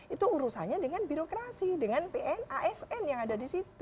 itu urusannya dengan birokrasi dengan pn asn yang ada di situ